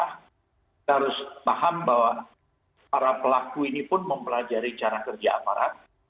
kita harus paham bahwa para pelaku ini pun mempelajari cara kerja aparat